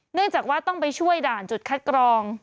เนื่องจากว่าต้องไปช่วยด่านจุดคัดกรอง